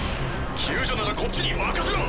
救助ならこっちに任せろ！